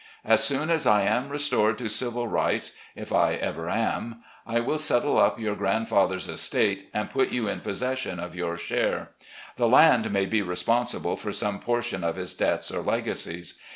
As soon as I am restored to civil rights, if I 193 RECOLLECTIONS OF GENERAL LEE ever am, I will settle up your grandfather's estate, and put you in possession of your share. The land may be responsible for some portion of his debts or legacies.